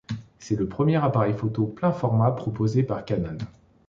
C'est le premier appareil photo plein format proposé par Canon.